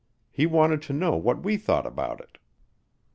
He wanted to know what we thought about it.